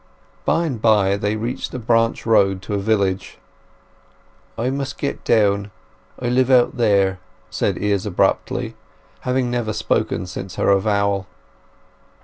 By and by they reached a branch road to a village. "I must get down. I live out there," said Izz abruptly, never having spoken since her avowal.